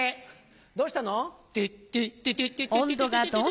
どうしたの？